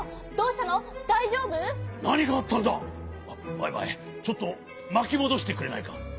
マイマイちょっとまきもどしてくれないか？